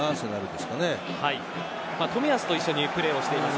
冨安と一緒にプレーをしています。